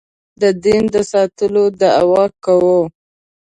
د دین د ساتلو دعوه کوو.